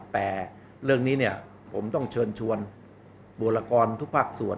แต่เรื่องนี้เนี่ยผมต้องเชิญชวนบุรกรทุกภาคส่วน